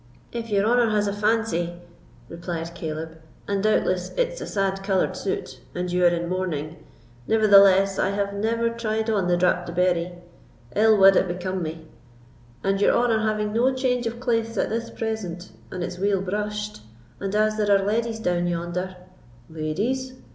"If your honour has a fancy," replied Caleb, "and doubtless it's a sad coloured suit, and you are in mourning; nevertheless, I have never tried on the drap de Berry—ill wad it become me—and your honour having no change of claiths at this present—and it's weel brushed, and as there are leddies down yonder——" "Ladies!"